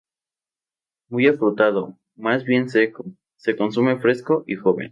Muy afrutado, más bien seco, se consume fresco y joven.